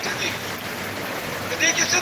ولي مدام هڅاند د لوستي کس په پرتله لوړ مقام نیسي؟